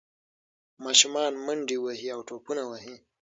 ماشومان منډې وهي او ټوپونه وهي.